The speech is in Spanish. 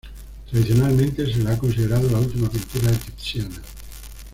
Tradicionalmente se la ha considerado la última pintura de Tiziano.